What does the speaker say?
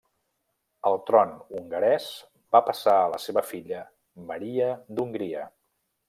El tron hongarès va passar a la seva filla Maria d'Hongria.